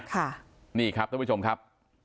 ค่ะนี่ครับท่านผู้ชมครับ